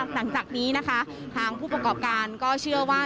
หลังจากนี้นะคะทางผู้ประกอบการก็เชื่อว่า